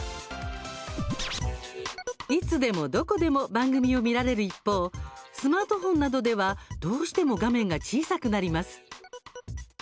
いつでもどこでも番組を見られる一方スマートフォンなどではどうしても画面が小さくなります。